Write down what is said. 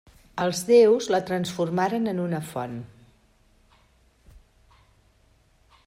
Els déus la transformaren en una font.